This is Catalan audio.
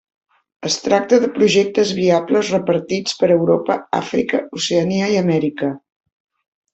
Es tracta de projectes viables repartits per Europa, Àfrica, Oceania i Amèrica.